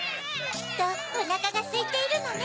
きっとおなかがすいているのね。